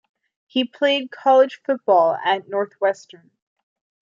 He played college football at Northwestern.